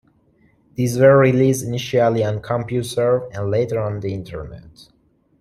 These were released initially on CompuServe, and later on the internet.